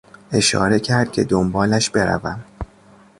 اشاره کرد که دنبالش بروم.